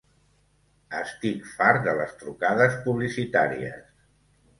Estic fart de les trucades publicitàries.